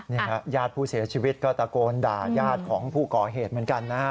ญาติผู้เสียชีวิตก็ตะโกนด่ายาดของผู้ก่อเหตุเหมือนกันนะฮะ